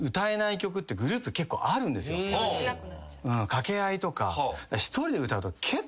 掛け合いとか。